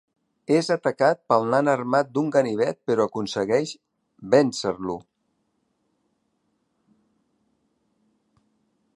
És atacat pel nan armat d'un ganivet però aconsegueix vèncer-lo.